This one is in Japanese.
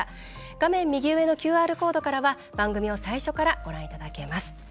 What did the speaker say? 画面右上のＱＲコードからは番組を最初からご覧いただけます。